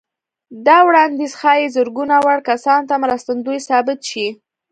دا وړانديز ښايي زرګونه وړ کسانو ته مرستندوی ثابت شي.